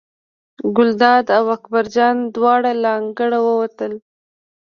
ګلداد او اکبر جان دواړه له انګړه ووتل.